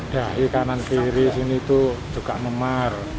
dahi kanan tiri sini tuh juga memar